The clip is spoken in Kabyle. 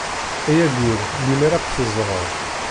Ay aggur lemmer ad tt-teẓṛeḍ.